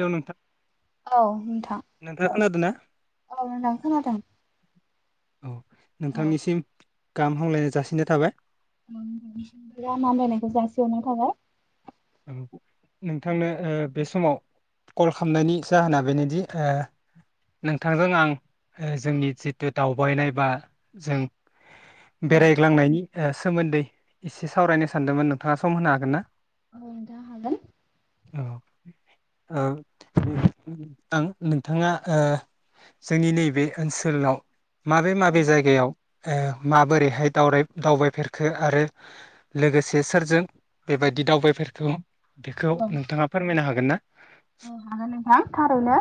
Hello नोंथां औ नोंथां नोंथाङा खोनादो ना। औ नोंथां खोनादों। औ औ नोंथांनिसिम गाहाम हामलायनाय जासिनाय थाबाय। गाहाम हामलायनायखौ जासि हरनाय थाबाय [unintelligible] नोंथांनो ओ। बे समाव कल खालामनायनि जाहोना बेनोदि ओ नोंथांजों आं जोंनि जिथु दावबायनाय बा जों। औ बेरायग्लांनायनि। सोमोन्दै एसे सावरायनो सानदोंमोन नोंथाङा सम होनो हागोन ना। औ नोंथां हागोन औ ओं नोंथाङा जोंनि नैबे ओनसोलाव। माबे - औ माबे जायगायाव ओ माबोरैहाय दावराय दावबायफेरखो आरो लोगोसे सोरजों बेबायदि दावबाय [unintelligible] बेखौ औ नोंथाङा फोरमायनो हाग गोनना औ हागोन नोंथां थारैनो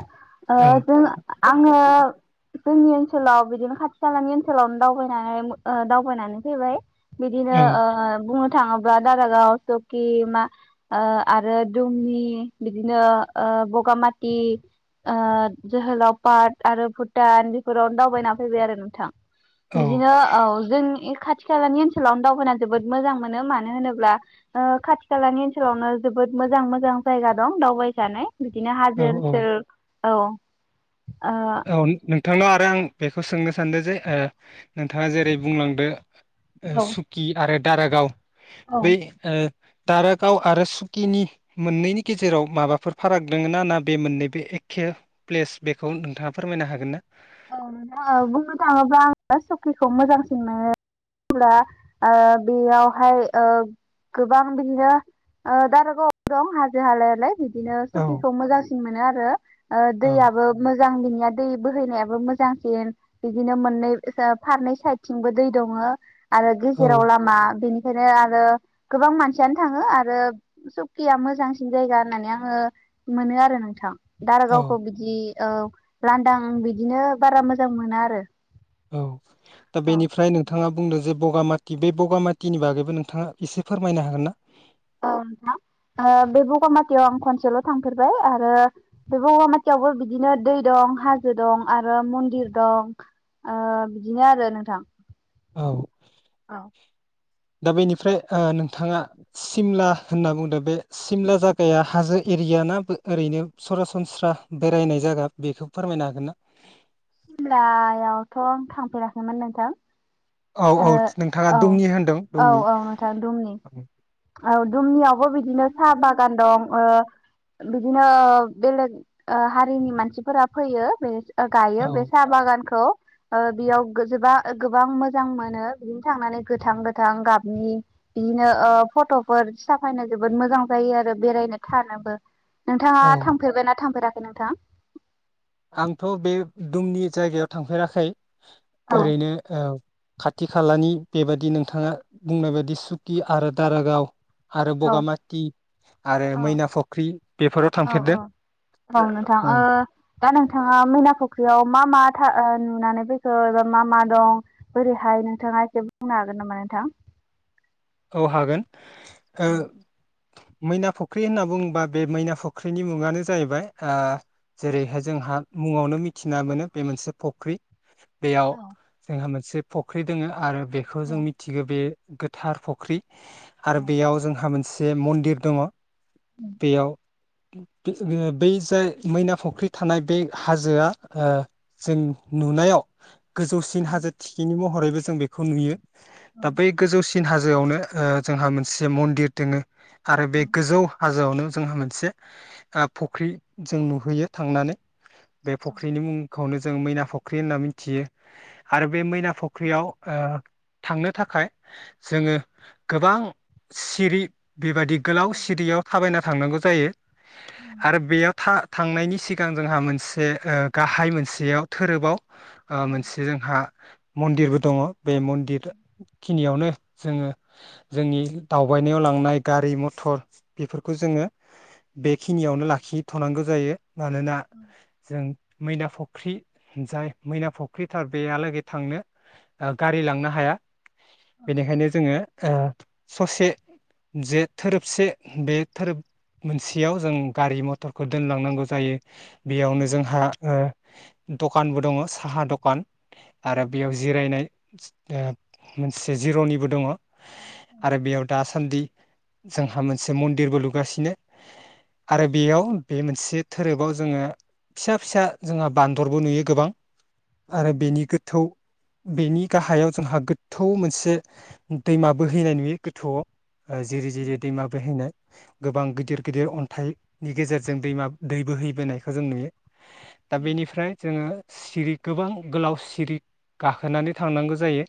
ओ औ जोङो आङो जोंनि ओनसोला बिदिनो औ ओ बुंन थाङोब्ला दारागाव, चकि मा ओ आरो दुमनि बिदिनो ओ बगामाथि ओ जोहोलाव पात आरो भुटान बेफोरावनो दावबायना फैबाय आरो नोंथां औ बिदिनो औ जों खाथि - खालानि ओनसोलावनो दावबायना जोबोद मोजां मोनो मानो होनोब्ला ओ खाथि- खालानि ओनसोलावनो जोबोद मोजां मोजां जायगा दं दावबाय जानाय बिदिनो औ हाजो औ सेर औ औ नोंथांनाव आरो आं बेखौ सोंनो सानदों जे ओ नोंथाङा जेरै बुंलांदो ओ सुखि आरो दारागाव औ बै ओ दारागाव आरो सुकिनि मोननैनि गेजेराव माबाफोर फाराग दोङोना ना बे मोननैबो एखे प्लेस बेखौ नोंथाङा फोरमायनो हागोन ना? औ नोंथां बुंनो थाङोब्ला आंङो सखिखौ मोजांसिन मोनो। मानो होनब्ला ओ बेयावहाय ओ गोबां बिदिनो ओ दारागाव दं हाजो हालायालाय बि बिदिनो औ सुखिखौ मोजांसिन मोनो आरो ओ औ दैयाबो मोजां बिनि दै बोहैनाया बो मोजांसिन बिदिनो मोननै जा फारनै साइदथिंबो दै दंङो। आरो गेजेराव औ लामा बे [unintelligible] आरो गोबां मानसियानो थांङो आरो सुखिया मोजांसिन जायगा होननानै आंङो मोनो आरो नोंथां। दारागावखौ बिदि औ लांदां बिद बिदिनो बारा मोजां मोना आरो औ दा औ बेनिफ्राय नोंथां नोंथाङा बुंदों जे बगामाथि बे बगामाथिनि बागैबो नोंथाङा एसे फोरमायनो हागोन ना? औ नोंथां ओ बे बगामाथियाव आं खनसेल थांफेरबाय आरो बे बगामाथियावबो बिदिनो दै दं हाजो दं आरो मन्दिर दं ओ बिदिनो आरो नोंथां। औ औ दा बेनिफ्राय ओ नोंथाङा सिमला होनना बुंदों बे सिमला जायागाया हाजो एरिया ना ओरैनो सरासनस्रा बेरायनाय जायगा बेखौ फोरमायनो हागोन ना? सिमलायावथ' आं थांफेराखैमोन नोंथां। औ ओ औ नोंथाङा औ दुमनि होनदों औ दुमनि औ नोंथां दुमनि औ दुमनियाव अ बिदिनो सा बागान दं ओ बिदिनो बेलेग ओ हारिनि मानसिफोरा फैयो बे ओ गायो औ बे साहा बागानखौ ओ बेयाव गोजोबा गोबां मोजां मोनो बिदिन थांनानै गोथां गोथां गाबनि बिदिनो ओ फट'फोर साफायनो जोबोद मोजां जायो आरो बेरायनो थानोबो। नोंथाङा औ थांफेरबाय ना थांफेराखै? नोंथां आंथ' बे दुमनि जायगायाव थांफेराखै औ ओरैनो औ खाथि खालानि बेबायदि नोंथाङा बुंनाय बायदि सुकि आरो दारागाव आरो औ बगामाथि आरो मैना फख्रि बेफोराव औ थांफेरदों औ ओ‌ नोंथां औ। ओ दा नोंथाङा मैना फुख्रियाव मा मा था नुनानै फैखो एबा मा मा दं बोरैहाय नोंथाङा एसे बुंनो हागोन नामा नोंथां? औ हागोन ओ औ मैना फुख्रि होनना बुङोबा बे मैना फुख्रिनि मुङानो जाहैबाय ओ जेरैहाय जोंहा मुङावनो मिथिना मोनो बे मोनसे फख्रि बेयाव औ जोंहा मोनसे फख्रि दोङो आरो। बेखौ औ जों मिथिगौ बे गोथार फ ख्रि आरो औ बेयाव जोंहा मोनसे बे मन्दिर दङ बेयाव बै जाय मैना फुख्रि थानाय बे हाजोआ ओ जों नुनायाव गोजौसिन हाजो थिखिनि महर हरैबो जों बेखौ नुयो। दा बै गोजौसि फिन हाजो हाजोआवनो ओ जोंहा मोनसे मन्दिर दङो। आरो बे गोजौ हाजोआवनो जोंहा ओ मोनसे फुख्रि जों नुहैयो थांनानै बे फख्रिनि मुं खौनो जों मैना फुख्रि होनना मिथियो आरो बे मैना फुख्रियाव ओ थांनो थाखाय जोङो गोबां सिरि बेबायदि गोलाव सिरियाव थाबायना थांनांगौ जायो। आरो बेयाव था थांनायनि सिगां जोंहा मोनसे ओ गाहाय मोनसेयाव धोरोबाव ओ मोनसे जोंहा मन्दिरबो दङ बे मन्दिर खिनियावनो जोङो जोंनि दावबायनायाव लांनाय गारि मथर बेफोरखौ जोङो बेखिनियावनो लाखिथ'नांगौ जायो। मानोना जों मैना फुख्रि जाय मैना फुख्रिथार बेहालागै थांनो गारि लांनो हाया। बेनिखायनो जोङो ओ ससे जे थोरोबसे बे थोरोब मोनसेयाव जों गारि मथरखौ दोनलांनांगौ जायो। बेयावनो जोंहा ओ दखानबो दङ साहा दखान। आरो बेयाव जिरायनाय [unintelligible] जिर'निबो दङ। आरो बेयाव दासान्दि जोंहा मोनसे मन्दिरबो लुगासिनो आरो बेयाव बे मोनसे थोरोबाव जोङो फिसा फिसा जोंहा बान्दरबो नुयो गोबां। आरो बेनि गोथौ बेनि गाहायाव जोंहा गोथौ मोनसे से दैमा बो हैैनाय नुयो गोथौआव जिरि जिरि दैमा बोहैनाय गोबां गिदिर गिदिर अन्थाइनि गेजेरजों दैमा दै बोहैबोनायखौ जों नुयो दा बेनिफ्राय जोङो सिरि गोबां गोलाव सिरि गाखोनानै थांनांगौ जायो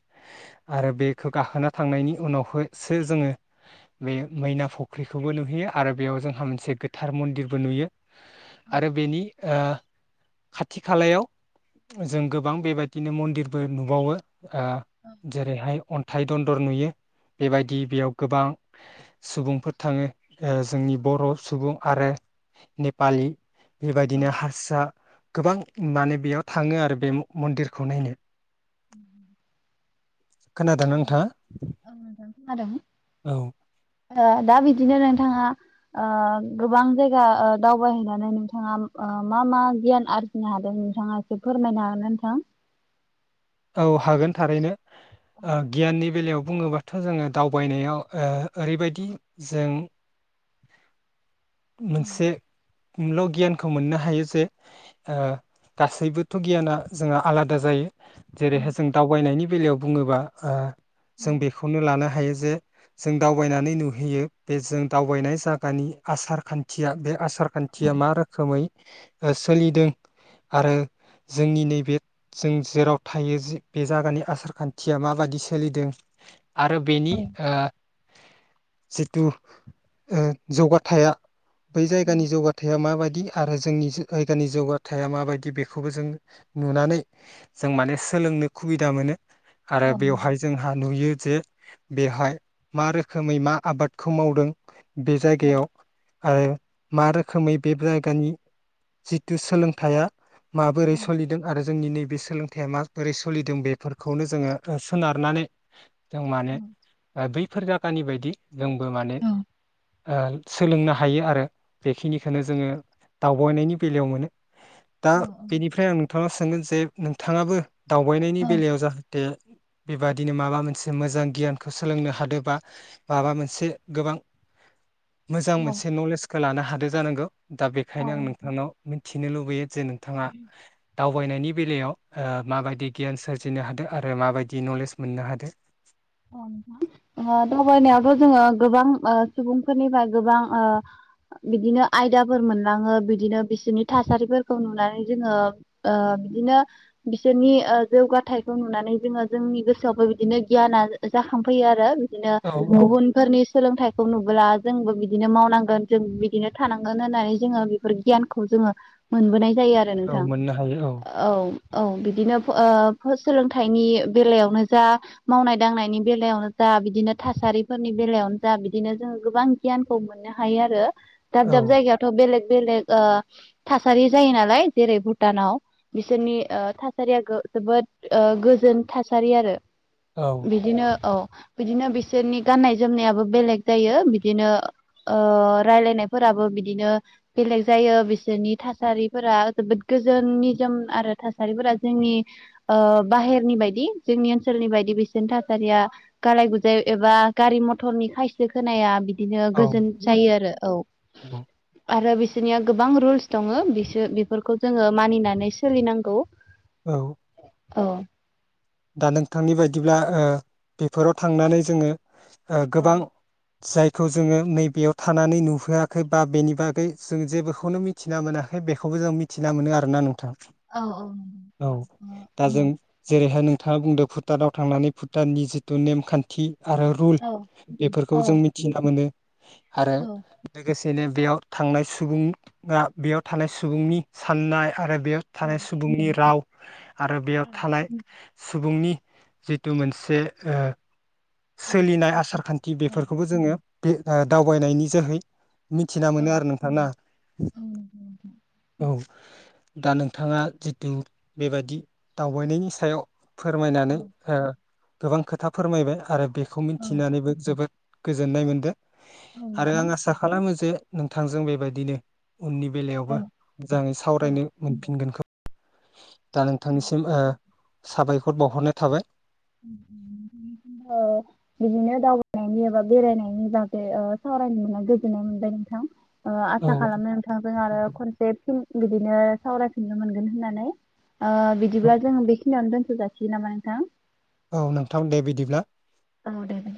आरो बे एबेखौ गाखोना थांनायनि उनावहसो जोङो बे मैना फुख्रिखौबो नुहैयो आरो बेयाव जोंहा मोनसे गोथार मन्दिरबो नुयो। आरो बेनि ओ खाथि खालायाव जों गोबां बेबायदिनो मन्दिरबो नुबावो। आ जेरैहाय। अन्थाइ दन्दर नुयो बेबायदि बेयाव गोबां सुबुंफोर थाङो ओ जोंनि बर' सुबुं आरो नेपालि। बेबायदिनो हारसा। गोबां माने बेयाव थाङो आरो बे मन्दिरखौ नायनो। उम। खोनादोंना नोंथाङा? खोनादों औ ओ दा बिदिनो नोंथाङा ओ गोबां जायगा ओ दावबायहैनानै नोंथाङा ओ मा मा गियान आरजिनो हादों नोंथाङा एसे फोरमायनो हागोन ना नोंथां? औ हागोन थारैनो। ओ गियाननि बेलायाव बुङोबाथ' जोङो दावबायनाय आव ओ ओरैबायदि जों मोनसे ल' गियानखौ मोननो हायो जे ओ गासैबोथ' गियाना जोंहा आलादा जायो। जेरैहाय जों दावबायनायनि बेलायाव बुङोबा ओ जों बेखौनो लानो हायो जे जे जों दावबायनानै नुहैयो बे जों दावबायनाय जागानि आसार खान्थिया बे आसा र खान्थिया मा रोखोमै ओ सोलिदों आरो जोंनि नैबे जों जेराव थायो जि बे जायगानि आसार खान्थिया माबादि सोलिदों आरो बेनि ओ जिथु ओ जौगाथाया बै जायगानि जौगाथाया माबायदि आरो जोंनि जायगानि जौगाथाया माबायदि बेखौबो जों नुनानै जों माने सोलोंनो खुबिदा मोनो। आरो बेवहाय जोंहा नुयो जे बेहाय मा रोखोमै मा आबादखौ मावदों बे जायगायाव आरो मा रोखोमै बे जायगानि जिथु सोलोंथाइया माबोरै सलिदों आरो जोंनि नैबे सोलों थाइया माबोरै सलिदों बेफोरखौनो जोङो ओ सोनारनानै जों माने ओ बै फोर जायगानि बायदि जोंबो माने ओ सोलोंनो हायो आरो बेखिनिखौनो जोङो दावबायनायनि बेलायाव मोनो। दा बेनिफ्राय आं नोंथाङा सों मोनसे नों थांङाबो दावबायनायनि बेलायाव जाहाथे बेबादिनो माबा मोनसे मोजां गियानखौ सोलोंनो हादोबा माबा मोनसे गोबां मोजां मोनसे नलेजखौ लानो हादो जानांगौ। दा बेखायनो आं नोंथांनाव मिथिनो लुबैयो जे नोंथांङा दावबायनायनि बेलायाव ओ माबायदि गियान सोरजिनो हादो आरो माबायदि नलेज मोननो हादो। ओ दावबायनायावथ' जोंङो गोबां ओ सुबुंफोरनिफ्राय गोबां ओ बिदिनो आयदाफोर मोनलाङो बिदिनो बिसोरनि थासारिफोरखौ नुनानै जोंङो ओ बिदिनो बिसोरनि ओ जौगाथायाइखौ नुनानै जोंङो जोंनि गोसोआवबो बिदिनो गियान जाखांफैयो आरो। बिदिनो औ गुबुनफोरनि सोलोंथाइखौ नुबोला जोंबो बिदिनो मावनांगोन जों बिदिनो थानांगोन होननानै जोंङो बेफोर गियानखौ जोंङो मोनबोनाय जायो आरो औ नोंथां। मोननो हायो औ। औ बिदिनो ओ फो सोलोंथाइनि बेलायावनो जा मावनाय दांनायनि बेलायावनो जा बिदिनो थासारिफोरनि बेलायावनो जा बिदिनो जोंङो गोबां गियानखौ मोननो हायो आरो। दाब औ दाब जायगायावथ' बेलेग बेलेग ओ थासारि जायो नालाय जेरै भुटानाव बिसोरनि ओ थासारिया जोबोद ओ गोजोन थासारि आरो। औ बिदिनो औ। बिदिनो बिसोरनि गाननाय जोमनायाबो बेलेग जायो, बिदिनो ओ रायलायनायफोराबो बिदिनो बेलेग जायो, बिसोरनि थासारिफोरा जोबोद गोजोन निजोम आरो थासारिफोरा जोंनि ओ बाहेरनि बायदि जोंनि ओनसोलनि बायदि बिसोर थासारिया गालाय गुजाय एबा गारि मथरनि खायसे खोनाया बिदि बिदिनो औ गोजोन जायो आरो। औ औ आरो बेसि बिनिया गोबां रुल्स दङ' बिसोर बेफोरखौ जोङो मानिनानै सोलिनांगौ। औ। औ। दा नोंथांनि बायदिब्ला ओ बेफोराव थांनानै जोङो ओ गोबां जायखौ जोङो नैबेयाव थानानै नुहैयाखै बा बेनि बागै जों जेबोखौनो मिथिना मोनाखै बेखौबो जों मिथिना मोनो आरोना नोंथां। औ दा जों जेरैहाय नों थाङा बुंदों भुटानाव थांनानै भुटाननि जिथु नेमखान्थि आरो रुल बेफोरखौ जों मिथिना मोनो। आरो लोगोसे जेने बेयाव थांनाय सुबुङा बेयाव थानाय आरो बेयाव थानाय सुबुंनि राव आरो बेयाव थानाय सुबुंनि जिथु मोनसे ओ सोलिनाय आसार खान्थि बेफोरखौबो जोङो बे आं दावबायनायनि जोहै मिथिना मोनो आरो नोंथां ना? औ। दा नोंथाङा जिथु बेबादि दावबायनायनि सायाव फोरमायनानै हो गोबां खोथा फोरमायबाय आरो बे खौ मिथिनानैबो जोबोद गोजोननाय मोनदो। आरो आं आसा खालामोजे नोंथांजों बेबायदिनो उननि बेलायावबो मोजाङै सावरायनो मोनफिनगोनखौ। [inaudible] दा नोंथांनिसिम ओ साबायखर बावहरनाय थाबाय। ओ बिदिनो दावबायनायनि एबा बेरायनायनि बागै ओ सावरायनो मोननानै गोजोननाय मोनबाय नोंथां। ओ औ आसा खालामनो नोंथां जों आरो खनसे फिन बिदिनो सावरायफिननो मोनगोन होननानै ओ बिदिब्ला जों बेखिनियावनो दोन थजासिनगोन नामा नोंथां? औ नोंथां दे बिदिब्ला। औ दे दे।